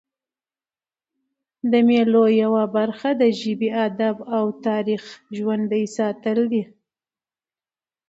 د مېلو یوه برخه د ژبي، ادب او تاریخ ژوندي ساتل دي.